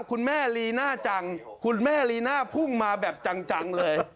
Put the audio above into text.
คุณแม่ลีน่าจังคุณแม่ลีน่าพุ่งมาแบบจังเลย